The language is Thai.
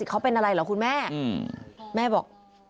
พุ่งเข้ามาแล้วกับแม่แค่สองคน